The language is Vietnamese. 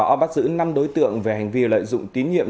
đã bắt giữ năm đối tượng về hành vi lợi dụng tín nhiệm